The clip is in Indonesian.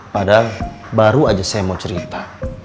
padahal baru aja saya mau cerita